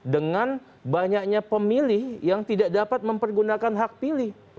dengan banyaknya pemilih yang tidak dapat mempergunakan hak pilih